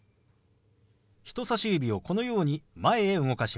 人さし指をこのように前へ動かします。